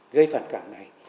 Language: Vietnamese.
gây phản cảm này